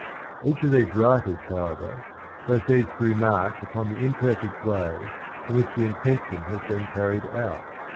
"'' Each of these writers however proceeds to remark "^n*^ <"'^"<^'«n' upon the irnperfect way in which the in tentio n has been carried out.